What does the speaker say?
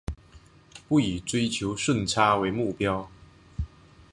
不以追求顺差为目标